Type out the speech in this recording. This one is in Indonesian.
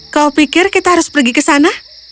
kau pikir kita harus pergi ke sana